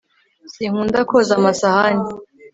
sinkunda koza amasahani